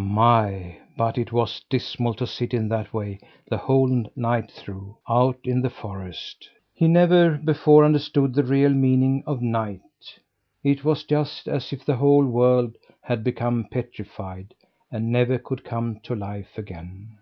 My! but it was dismal to sit in that way the whole night through, out in the forest! He never before understood the real meaning of "night." It was just as if the whole world had become petrified, and never could come to life again.